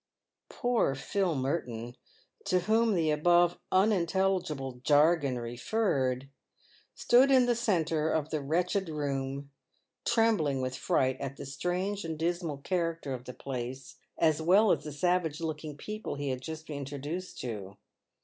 Poor Phil Merton, to whom the above unintelligible jargon re ferred, stood in the centre of the wretched room trembling with fright at the strange and dismal character of the place, as well as the savage looking people he had just been introduced to.